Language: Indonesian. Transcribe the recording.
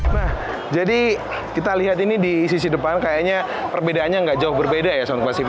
nah jadi kita lihat ini di sisi depan kayaknya perbedaannya nggak jauh berbeda ya soundwasipasi